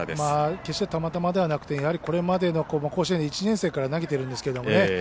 決してたまたまではなくてやはり、これまでの１年生から投げてるんですけどね